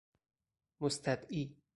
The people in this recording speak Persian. مستدعی